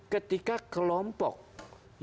ketika kelompok yang merasa